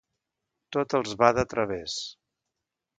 Tot els va de través.